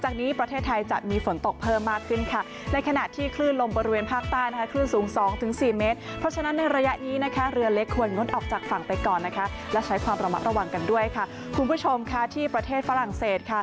คุณผู้ชมค่ะที่ประเทศฝรั่งเซน